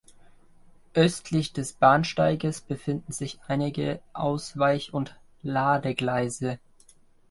Östlich des Bahnsteiges befinden sich einige Ausweich- und Ladegleise.